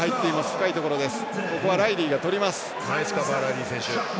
深いところです。